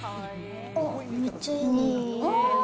めっちゃいい匂い。